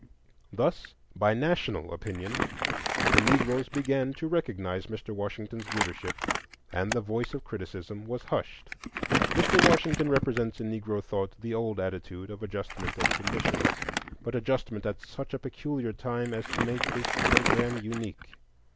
Thus, by national opinion, the Negroes began to recognize Mr. Washington's leadership; and the voice of criticism was hushed. Mr. Washington represents in Negro thought the old attitude of adjustment and submission; but adjustment at such a peculiar time as to make his programme unique.